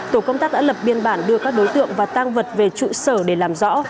tổ công tác đã lập biên bản đưa các đối tượng và tang vật về trụ sở để làm rõ